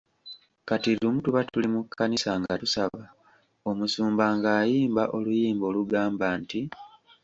Kati lumu tuba tuli mu kkanisa nga tusaba, omusumba ng'ayimba oluyimba olugamba nti.